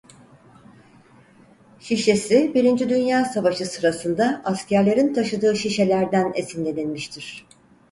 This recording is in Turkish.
Şişesi birinci Dünya Savaşı sırasında askerlerin taşıdığı şişelerden esinlenilmiştir.